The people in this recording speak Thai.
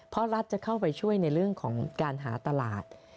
เพราะรัฐจะเข้าไปช่วยในเรื่องของการหาตลาด